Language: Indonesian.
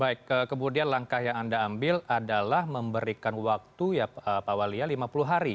baik kemudian langkah yang anda ambil adalah memberikan waktu ya pak walia lima puluh hari